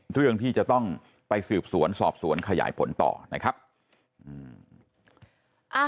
เรื่องที่จะต้องไปสืบสวนสอบสวนขยายผลต่อนะครับอืมอ่า